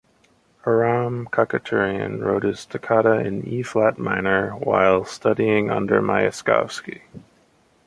Aram Khachaturian wrote his Toccata in E-flat minor while studying under Myaskovsky.